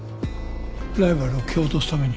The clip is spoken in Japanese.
ライバルを蹴落とすために。